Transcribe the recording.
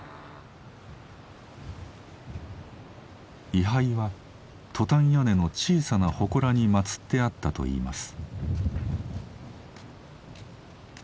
位牌はトタン屋根の小さな祠に祭ってあったといいます。